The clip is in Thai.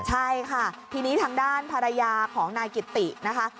ใช่ค่ะทีนี้ทางด้านภรรยาของนายกิตตินะคะ